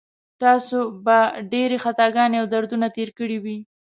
تاسو به ډېرې خطاګانې او دردونه تېر کړي وي.